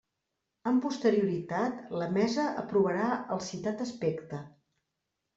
Amb posterioritat, la mesa aprovarà el citat aspecte.